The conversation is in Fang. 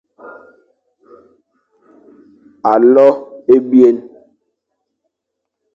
Alo ebyen,